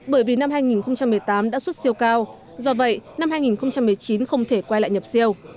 bởi vì năm hai nghìn một mươi tám đã xuất siêu cao do vậy năm hai nghìn một mươi chín không thể quay lại nhập siêu